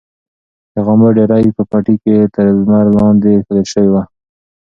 د غنمو ډیرۍ په پټي کې تر لمر لاندې ایښودل شوې وه.